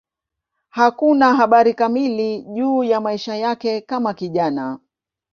Hakuna habari kamili juu ya maisha yake kama kijana.